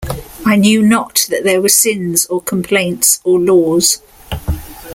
I knew not that there were sins or complaints or laws.